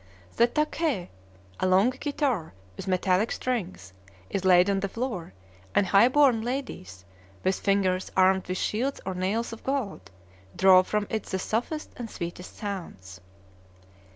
The takhè, a long guitar with metallic strings, is laid on the floor, and high born ladies, with fingers armed with shields or nails of gold, draw from it the softest and sweetest sounds.